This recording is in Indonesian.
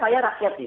saya berasiat nih